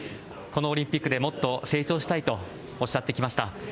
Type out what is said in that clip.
このオリンピックでもっと成長したいとおっしゃっていました。